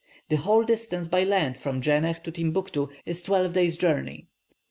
The whole distance by land from Djenneh to Timbuctoo is twelve days' journey.